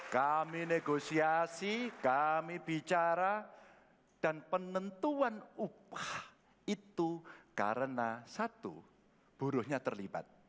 kami negosiasi kami bicara dan penentuan upah itu karena satu buruhnya terlibat